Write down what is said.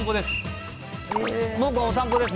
僕はお散歩です。